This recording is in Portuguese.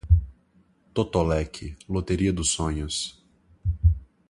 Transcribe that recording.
Totolec, loteria dos sonhos